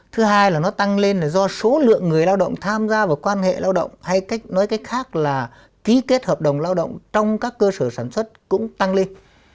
thứ hai là nó tăng lên là do số lượng người lao động tham gia vào quan hệ lao động hay nói cách khác là ký kết hợp đồng lao động trong các cơ sở sản xuất cũng tăng lên